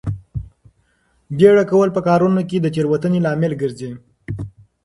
بیړه کول په کارونو کې د تېروتنې لامل ګرځي.